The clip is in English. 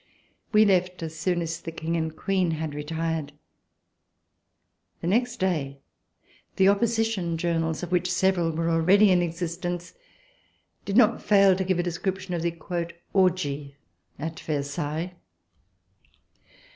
We left as soon as the King and Queen had retired. The next day the opposition journals, of which several were al ready in existence, did not fail to give a description of the "orgy" at Versailles.